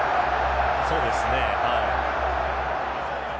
そうですねはい。